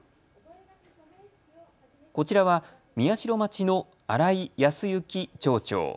こちらは宮代町の新井康之町長。